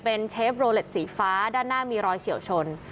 เป็นเชฟโรเล็ตสีฟ้าด้านหน้ามีรอยเฉียวชน